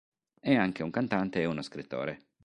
È anche un cantante e uno scrittore.